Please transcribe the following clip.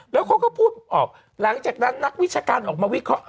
แล้วเขาก็พูดออกหลังจากนั้นนักวิชาการออกมาวิเคราะห